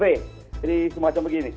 jadi semacam begini